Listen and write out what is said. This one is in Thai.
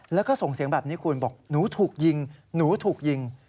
แล้วก็ส่งเสียงแบบนี้คุณบอกหนูถูกยิงหนูถูกยิง